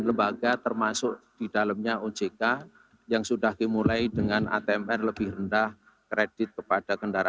lembaga termasuk didalamnya ojk yang sudah dimulai dengan atem er lebih rendah kredit kepada kendaraan